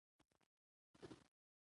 مور د کورني ژوند لپاره سمه پالن جوړوي.